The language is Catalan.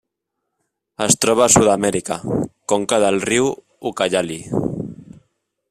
Es troba a Sud-amèrica: conca del riu Ucayali.